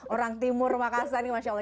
orang timur makassar nih masya allah